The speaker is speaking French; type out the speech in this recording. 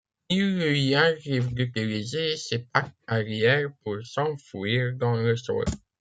Il lui arrive d'utiliser ses pattes arrière pour s'enfouir dans le sol.